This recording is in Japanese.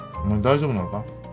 お前大丈夫なのか？